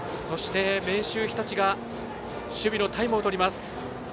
そして、明秀日立が守備のタイムをとります。